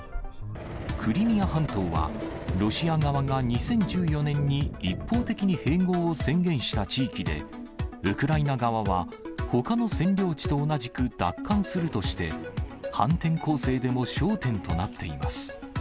クリミア半島は、ロシア側が２０１４年に一方的に併合を宣言した地域で、ウクライナ側は、ほかの占領地と同じく奪還するとして、反転攻勢でも焦点となっています。